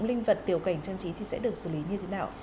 cụm linh vật tiểu cảnh trang trí sẽ được xử lý như thế nào